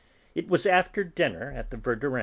It was after dinner at the Verdurins'.